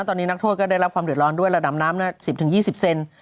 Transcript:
ตอนนี้นักโทษก็ได้รับความเดือดร้อนด้วยระดับน้ำ๑๐๒๐เซน